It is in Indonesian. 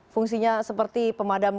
fungsinya seperti pemadam